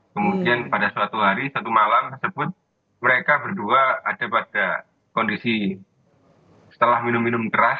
kemudian pada suatu hari satu malam tersebut mereka berdua ada pada kondisi setelah minum minum keras